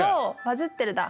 「バズってる」だ。